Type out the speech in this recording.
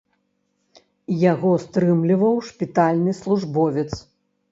Яго стрымліваў шпітальны службовец.